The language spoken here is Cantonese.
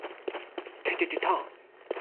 短期內我都唔會搞咩創作住㗎喇